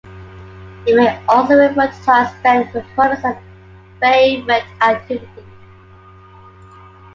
It may also refer to time spent performing some favorite activity.